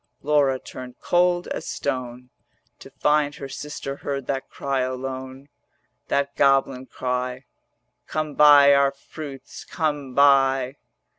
Laura turned cold as stone To find her sister heard that cry alone, That goblin cry, 'Come buy our fruits, come buy.'